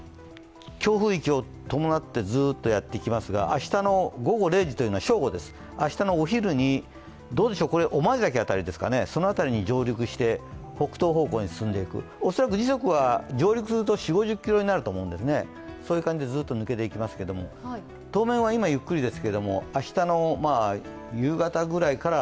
強風域を伴ってずっとやってきますが明日の午後０時というのは正午です明日のお昼に御前崎辺りですかね、その辺りに上陸して北東方向に進んでいく、恐らく時速は上陸すると４０５０キロになって抜けていきますが、当面は今、ゆっくりですけれども明日の夕方ぐらいから